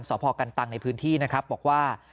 สพกันตังในพื้นที่นะครับบอกว่า